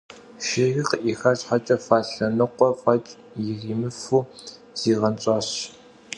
Şşêyri khı'ixa şheç'e falhe nıkhue f'eç' yirimıfu ziğenş'aş.